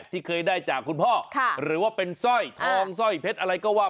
ที่เคยได้จากคุณพ่อหรือว่าเป็นสร้อยทองสร้อยเพชรอะไรก็ว่า